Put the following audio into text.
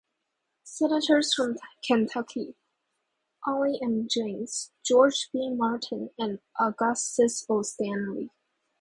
Senators from Kentucky: Ollie M. James, George B. Martin and Augustus O. Stanley.